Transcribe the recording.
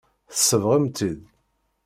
Tsebɣem-tt-id.